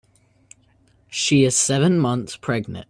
She is seven months pregnant.